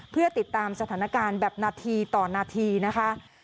เพื่อติดตามสถานการณ์แบบนาทีต่อนาทีนะคะ